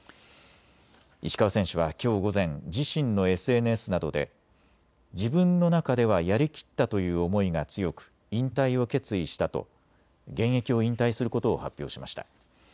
石川選手はきょう午前、自身のＳＮＳなどで自分の中ではやりきったという思いが強く、引退を決意したと現役を引退することを発表しました。